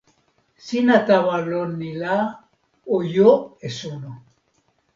sina tawa lon ni la, o jo e suno.